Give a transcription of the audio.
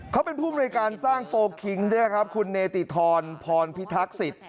เขาเป็นผู้มนุยการสร้างโฟลคิงด้วยนะครับคุณเนติธรพรพิทักษิต